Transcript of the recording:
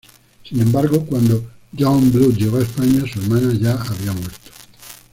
Sin embargo, cuando Youngblood llega a España, su hermana ya ha muerto.